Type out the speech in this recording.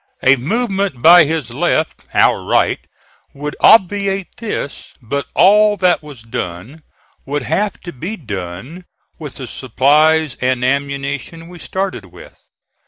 A movement by his left our right would obviate this; but all that was done would have to be done with the supplies and ammunition we started with.